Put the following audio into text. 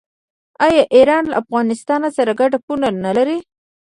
آیا ایران له افغانستان سره ګډه پوله نلري؟